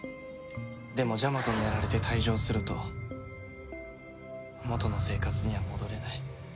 でもジャマトにやられて退場すると元の生活には戻れない。